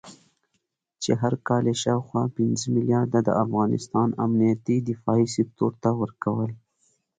چې هر کال یې شاوخوا پنځه مليارده د افغانستان امنيتي دفاعي سکتور ته ورکول